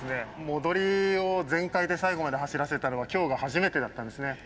戻りを全開で最後まで走らせたのは今日が初めてだったんですね。